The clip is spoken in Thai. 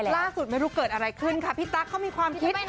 ล่าสุดไม่รู้เกิดอะไรขึ้นค่ะพี่ตั๊กเขามีความคิดนะ